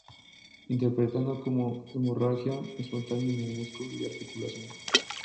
Interpretado como hemorragia espontánea en músculo y articulación.